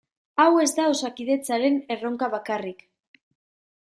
Hau ez da Osakidetzaren erronka bakarrik.